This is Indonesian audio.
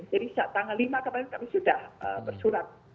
jadi saat tanggal lima kemarin kami sudah bersurat